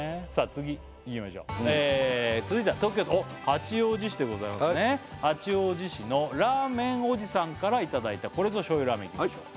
次いきましょう続いては東京都おっ八王子市でございますね八王子市のラーメンおじさんからいただいたこれぞ醤油ラーメンいきましょう